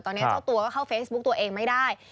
ตอนนี้เจ้าตัวก็เข้าเฟซบุ๊กตัวเองไม่ได้